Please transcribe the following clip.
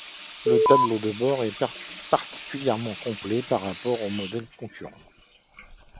Le tableau de bord est particulièrement complet par rapport aux modèles concurrents.